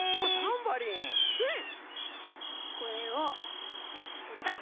これをペタッ！